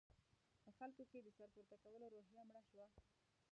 په خلکو کې د سر پورته کولو روحیه مړه شوه.